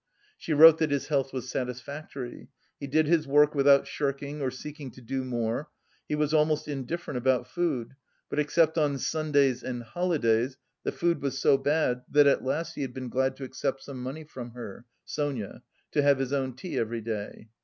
She wrote that his health was satisfactory; he did his work without shirking or seeking to do more; he was almost indifferent about food, but except on Sundays and holidays the food was so bad that at last he had been glad to accept some money from her, Sonia, to have his own tea every day.